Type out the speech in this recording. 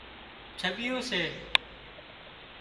ڇٻيُون سي